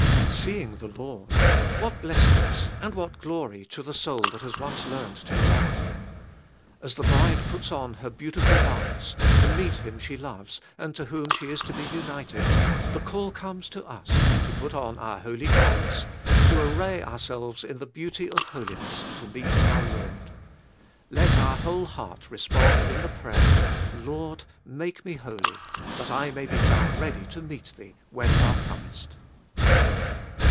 Seeing the Lord ! What blessedness and what glory to the soul that has once learnt to love Him ! As the bride puts on her beautiful garments, to meet him she loves and to whom she is to be united, the call comes to us to put on our holy garments, to array ourselves in the beauty of holiness to meet our Lord. Let our whole heart respond in the prayer : Lord ! make me holy, that I may be found ready to meet thee when thou comest.